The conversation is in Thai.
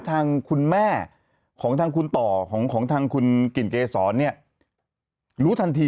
ทางคุณแม่ของทางคุณต่อของทางคุณกลิ่นเกษรเนี่ยรู้ทันที